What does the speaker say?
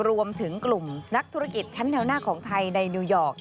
รวมถึงกลุ่มนักธุรกิจชั้นแนวหน้าของไทยในนิวยอร์ก